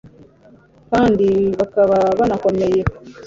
kandi bakaba banakomeye